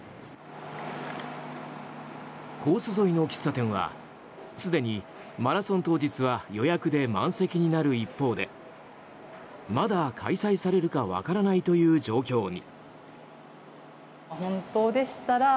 コース沿いの喫茶店はすでにマラソン当日は予約で満席になる一方でまだ開催されるか分からないという状況に。